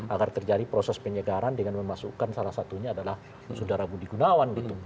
agar terjadi proses penyegaran dengan memasukkan salah satunya adalah saudara budi gunawan gitu